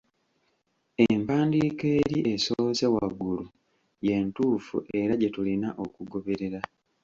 Empandiika eri esoose waggulu y’entuufu era gye tulina okugoberera.